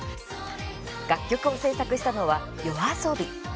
楽曲を制作したのはＹＯＡＳＯＢＩ。